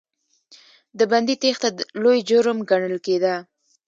د بندي تېښته لوی جرم ګڼل کېده.